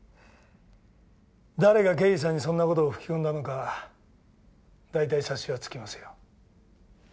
誰が刑事さんにそんなことを吹き込んだのかだいたい察しは付きますよ。